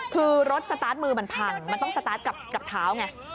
คือรถสตาร์ทมือมันพังมันต้องสตาร์ทกับเท้าไง